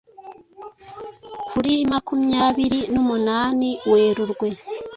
kur imakumyabiri numunani Werurwe